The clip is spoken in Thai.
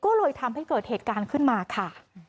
ก็เลยทำให้เกิดเหตุการณ์ขึ้นมาค่ะ